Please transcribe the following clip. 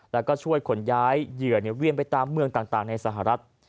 แล้วก็ช่วยขนย้ายเหยื่อเวียนไปตามเมืองต่างในสหรัฐ